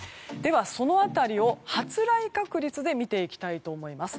その辺りを発雷確率で見ていきたいと思います。